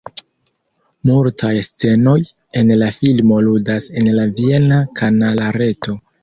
Multaj scenoj en la filmo ludas en la viena kanala reto.